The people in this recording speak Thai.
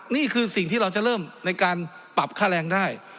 นี่คือสิ่งที่เราจะเริ่มในการปรับค่าแรงได้